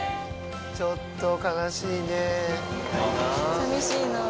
ちょっと悲しいね。